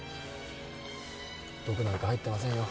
毒なんか入ってませんよ。